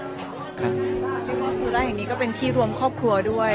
พี่มอสูราอย่างนี้ก็เป็นที่รวมครอบครัวด้วยครับ